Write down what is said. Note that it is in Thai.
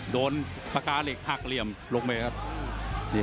โดนปากกาเหล็กหักเหลี่ยมลงไปครับ